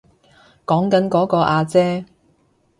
講緊嗰個阿姐